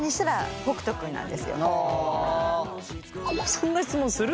そんな質問する？